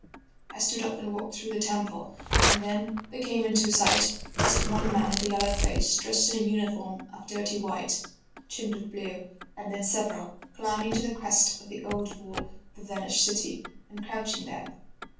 "I stood up and walked through the temple, and then there came into sight—first one man with a yellow face, dressed in a uniform of dirty white, trimmed with blue, and then several, climbing to the crest of the old wall of the vanished city, and crouching there.